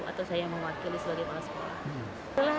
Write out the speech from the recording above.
atau saya yang mewakili sebagai kepala sekolah